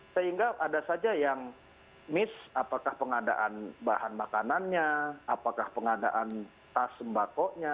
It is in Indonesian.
sehingga ada saja yang miss apakah pengadaan bahan makanannya apakah pengadaan tas sembakonya